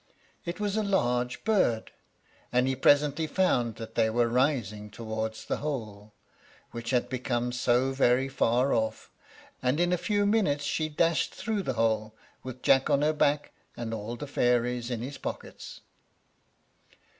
It was a large bird, and he presently found that they were rising towards the hole, which had become so very far off, and in a few minutes she dashed through the hole, with Jack on her back and all the fairies in his pockets.